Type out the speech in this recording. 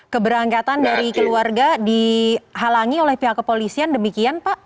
keberangkatan dari keluarga dihalangi oleh pihak kepolisian demikian pak